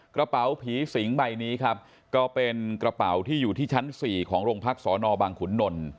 กระเป๋าผีสิงใบนี้ครับก็เป็นกระเป๋าที่อยู่ที่ชั้น๔ของโรงพักษณบางขุนนล